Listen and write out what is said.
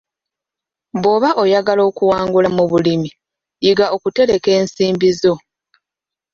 Bw'oba oyagala okuwangula mu bulimi, yiga okutereka ensimbi zo.